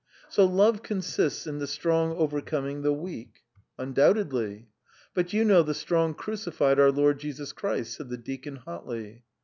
"So love consists in the strong overcoming the weak." "Undoubtedly." "But you know the strong crucified our Lord Jesus Christ," said the deacon hotly.